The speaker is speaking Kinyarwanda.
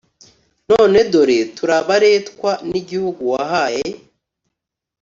None dore turi abaretwa n igihugu wahaye